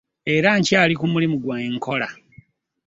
Era nkyali ku mulimu gwange nkola.